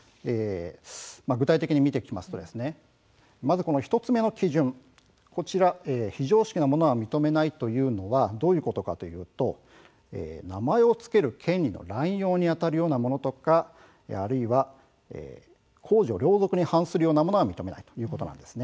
具体的に見ていきますと、まず１つ目の基準非常識なものは認めないというのは、どういうことかというと名前を付ける権利の乱用にあたるようなものとかあるいは公序良俗に反するようなものは認めないということなんです。